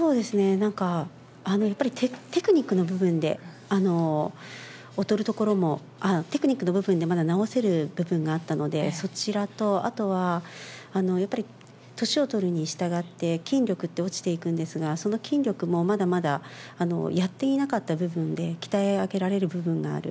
なんかやっぱり、テクニックの部分で劣るところも、まだ直せる部分もあったので、そちらと、あとはやっぱり、年を取るにしたがって、筋力って落ちていくんですが、その筋力もまだまだやっていなかった部分で、鍛え上げられる部分がある。